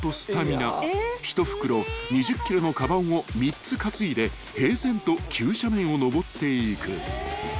［１袋２０ｋｇのかばんを３つ担いで平然と急斜面を登っていく］